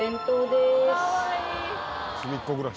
すみっコぐらし。